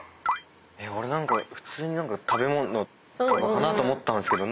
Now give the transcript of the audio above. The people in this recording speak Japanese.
俺普通に食べ物とかかなと思ったんですけど。